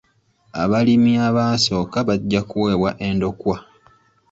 Abalimi abaasooka bajja kuweebwa endokwa.